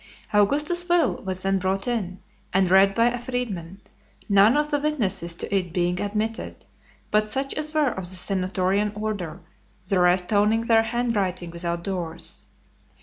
Augustus's will was then brought in, and read by a freedman; none of the witnesses to it being admitted, but such as were of the senatorian order, the rest owning their hand writing without doors.